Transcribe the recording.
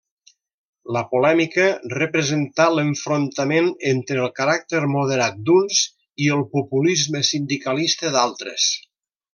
La polèmica representà l’enfrontament entre el caràcter moderat d’uns i el populisme sindicalista d’altres.